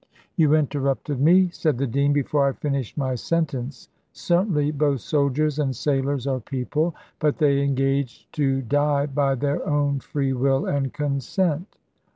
"You interrupted me," said the dean, "before I finished my sentence. Certainly, both soldiers and sailors are people, but they engage to die by their own free will and consent."